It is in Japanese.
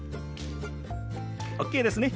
ＯＫですね。